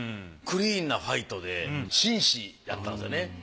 クリーンなファイトで紳士やったんですよね。